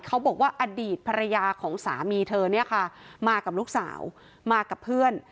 เขาบอกว่าอดีตภรรยาของสามีเธอเนี่ยค่ะมากับลูกสาวมากับเพื่อน